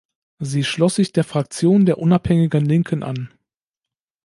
Sie schloss sich der Fraktion der unabhängigen Linken an.